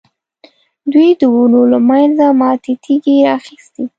دوی د ونو له منځه ماتې تېږې را اخیستې.